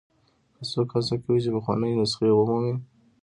که څوک هڅه کوي چې پخوانۍ نسخې ومومي.